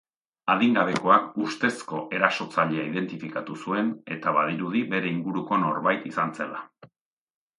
Adingabekoak ustezko erasotzailea identifikatu zuen, eta badirudi bere inguruko norbait izan zela.